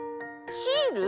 シール？